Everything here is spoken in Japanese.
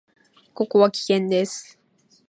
ここは危険です。